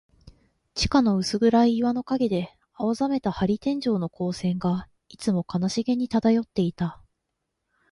地下の薄暗い岩の影で、青ざめた玻璃天井の光線が、いつも悲しげに漂っていた。